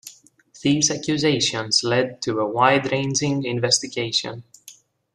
These accusations led to a wide-ranging investigation.